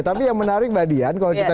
tapi yang menarik mbak dian kalau kita